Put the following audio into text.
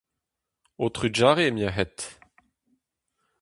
Ho trugarez, merc'hed !